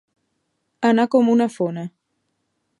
Anar com una fona.